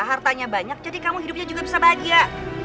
hartanya banyak jadi kamu hidupnya juga bisa bahagia